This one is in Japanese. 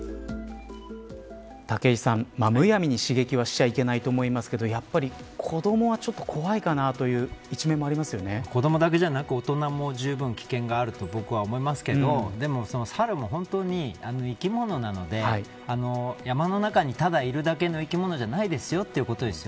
武井さん、むやみに刺激をしてはいけないと思いますけれどやっぱり子どもはちょっと怖いかなという子どもだけじゃなく大人もじゅうぶん危険があると僕は思いますけどでもサルも本当に生き物なので山の中にただいるだけの生き物じゃないですよということです。